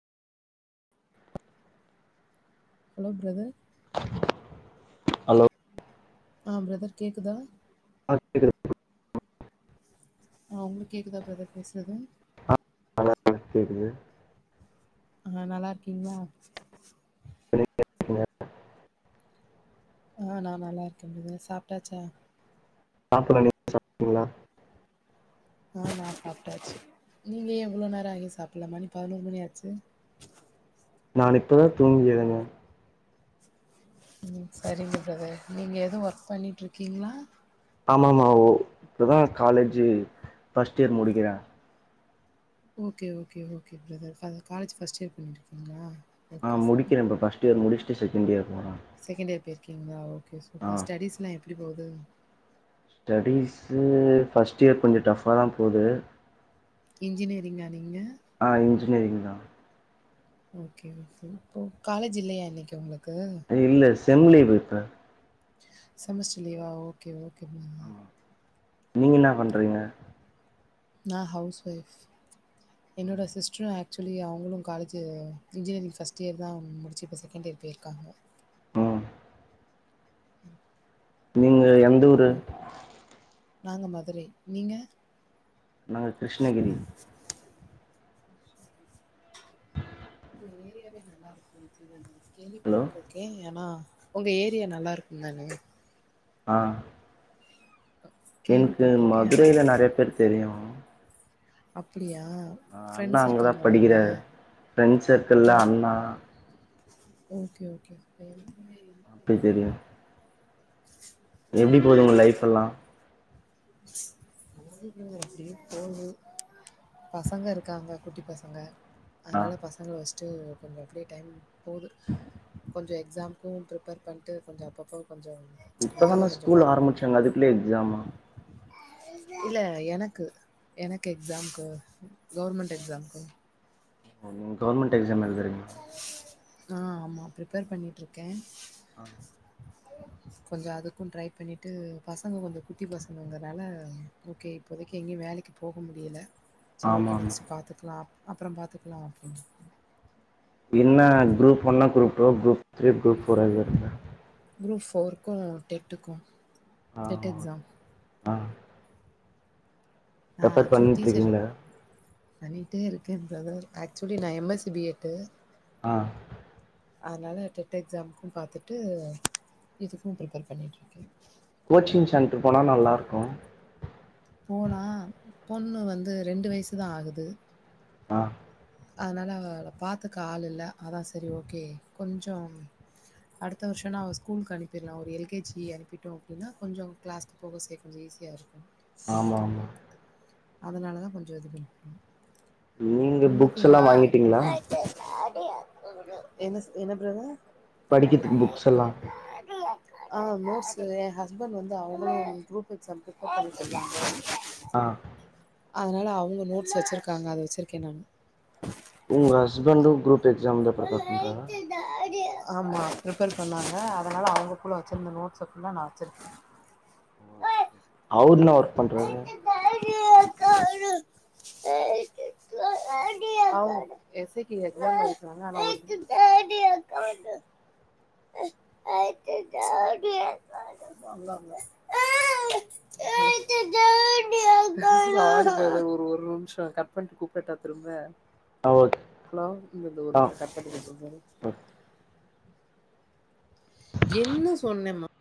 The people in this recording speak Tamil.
ஹலோ ப்ரதர் ஹலோ அ ப்ரதர் கேக்குதா [inaudible] அ உங்குளுக் கேக்குதா ப்ரதர் பேசுறது [inaudible] கேக்குது அ நல்லா இருக்கீங்ளா [inaudible] அ நா நல்லா இருக்கே ப்ரதர் சாப்ட்டாச்சா சாப்பிடணு நீங்க சாப்பிட்டீங்ளா அ நா சாப்ட்டாச்சு நீங்க ஏ இவ்ளோ நேரோ ஆகியு சாப்பில்ல மணி பதினோரு மணி ஆச்சு நானு இப்பதா தூங்கி எழுந்த ம் செரிங்க ப்ரதர் நீங்க எதுவு ஒர்க் பண்ணிட்டுருக்கீங்களா ஆமாமா ஓ இப்பதா காலேஜி ஃபஸ்ட் யேர் முடிக்கிறே ஓகே ஓகே ஓகே ப்ரதர் அது காலேஜ் ஃபஸ்ட் யேர் பண்ணிட்ருக்கீங்ளா அ முடிக்கிறே இப்ப ஃபஸ்ட் யேர் முடிஷ் ட்டு செகண்ட் யேர் போற செகண்ட் இயர் போயிருக்கீங்களா ஓ கே சூப்பர் ஸ்டடிஸ்லா எப் டி போவுது ஸ்டடீஸு ஃபஸ்ட் இயர் கொஞ்சோ டஃபா தா போது இன்ஜினியரிங்கா நீங்க ஆஹ் இன்ஜினியரிங் தா ஓகே ஓகே இப்போ காலேஜ் இல்லையா இன்னைக்கு உங்களுக் இல்ல ஸ் ஸெம் லீவு இப்ப செமஸ்டர் லீவா ஓகே ஓ கே பா ஆமா நீங்க என்ன பண்றீங்க நா ஹவுஸ் வைஃப் என்னோட சிஸ்டரு அக் சுவலி அவங்களு காலேஜு இன்ஜினியரிங் ஃபஸ்ட் இயர் தா முடிச்சி இப்ப செகண்ட் இயர் போயிருக்காங்க ம் நீங்க எ எந்தூரு ஹலோ. நாங்க மதுரை நீங்க நாங்க கிருஷ்ணகிரி ஹ [inaudible] வே ஏறியாவே நல்லா இருக்கு [unintelligible] ஹலோ கேள்விப்பட்டிருக்கே ஏன்னா உங்க ஏரியா நல்லா இருக்கும் தானே ஆ எனக்கு கேள்விப்பட்டுருக்கேன். ஆனா மதுரையில நெறைய பேரு தெரியு அப்டியா ஆஹ் அண்ணா அங்கதா படிக்கிறாரு ஃப்ரெண்ட் ஓ சர்க்கிள்ல அண்ணா ஓகே ஓகே பேரு அப்டி தெரியு எப்டி போகுது உங்க லைஃப் எல்லா எப்டி போகுது அப்டியே போது பசங்க இருக்காங்க குட்டி பசங்க ஆ அதனால பசங்க வச் டு வொ கொஞ்சொ அப்டியே டைம் போது கொஞ்சொ எக்ஸாம்க்கு ப்ரிப்பேர் பண்ட்டு கொஞ்சொ அப்பப்ப இப்பதானான் ஸ்கூல் ஆரம்பிச்சாங்க அதுக்குள்ளயே எக்ஸாமா இல்ல எனக்கு எனக்கு எக்ஸாம்க்கு கவுவர்மெண்ட் எக்ஸாம்க்கு ஓ கவர்மெண்ட் எக்ஸாம் எல் சல்ல ஆ ஆமாம் ப்ரிப்பேர் பண்ணட்டுருக்கேன் கொஞ்சம் அதுக்கும் ட்ரை பண்ணிட்டு பசங்க கொஞ்சம் குட்டி பசங்கங்கிறனால ஓகே இப்போதைக்கு எங்கேயும் வேலைக்கு போக சரி ஆமா ஓகே ஆமா நெக்ஸ்ட் பாத்துக்கலாம் அப்புறம் பாத்துக்கலாம் அப்டின்னு என்ன குரூப் ஒன்னா group two group three group four இருக்க குரூப் ஃபோருக்கும் டெட்டுக்கும் ஆ டெட் ஓகே. எக்ஸாம் ஆ நா ரெஃபர் ஆக்சுவலி பண்ணிட்டு டீச்சர் இருக்கீங்களா பண்ணிட்டே இருக்கேன் பிரதர் ஆக்சுவலி நான் எம்எஸ் சி பிஎட்டு ஆ அதனால டெட் எக்ஸாம்க பாத்துட்டு இதுக்கும் ப்ரிப்பேர் பண்ணிட்டு இருக்கேன் கோச்சிங் சென்ட்ரு போனா நல்லாருக்கோ போனா பொண்ணு வந்து ரெண்டு வயசுதா ஆகுது ஆ அதனால அவள பாத்துக்க ஆள் இல்ல அதா செரி ஓகே கொஞ்சொம் அடுத்த வருஷனா அவ ஸ்கூல்கு அனுப்பிர்லா ஒரு எல் கே ஜி அனுப்பிட்டோ அப்டினா கொஞ்சொ கிளாஸ்கு போக சே கொஞ்சோ ஈஸியா இருக்கு ஆமா ஆமா அதனாலதா கொஞ்ச இது பண்ணி நீங்க [inaudible] உங்ளுக்கு புக்ஸ் எல்லா வாங்கிட்டீங்களா என்ன என்ன ப்ரதர் படிக்கிறதுக்கு புக்ஸ் எல்லா ஆ நோட்ஸு ஏ ஹஸ்பண்ட் வந்து அவுங்களு குரூப் எக்ஸாம்கு [unintelligible] பண்ணிட்ருந்தாங்க ஆ அதனால அவுங்க நோட்ஸ் வச்சுருக்காங்க அத வச்சிருக்கே நானு உங்க ஹஸ்பண்டு குரூப் எக்ஸாம்து ப்ரிப்பேர் பண்றாரா ஆமா ப்ரிப்பேர் பண்ணாங்க அதனால அவுங்கக்குள்ள வச்சுருந்த நோட்ஸ ஃபுல்லா நா வச்சுருக்கே அவுர்னா வர் [unintelligible] அவுங் எஸ் ஏ கி எக்ஸாம்‌ எழுதுறாங்க ஆனா [unintelligible] சாரி ப்ரதர் ஒரு ஒரு நிமிஷொ கட் பண்ட்டு கூப்டட்டா திரும்ப ஆ ஓகே ஹலோ இந்த ஆ தூரத்ல கத்தற்து ஓகே [unintelligible] என்ன சொன்னெம்மா